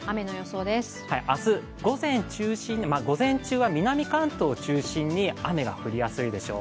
明日、午前中心、午前中は南関東を中心に雨が降りやすいでしょう。